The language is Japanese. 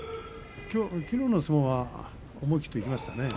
きのうの相撲は思い切っていきましたね。